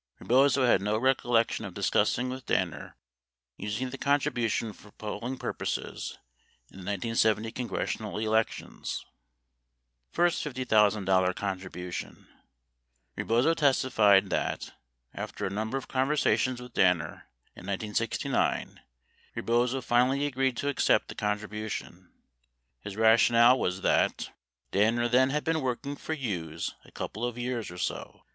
90 Rebozo had no recollection of discussing with Danner using the contribution for poll ing purposes in the 1970 congressional elections. 91 First $ 50,000 contribution : Rebozo testified that, after a number of conversations with Danner in 1969, Rebozo finally agreed to accept the contribution. His rationale was that : Danner then had been working for Hughes a couple of years or so.